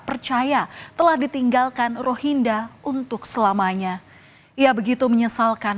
percaya telah ditinggalkan rohinda untuk selamanya ia begitu menyesalkan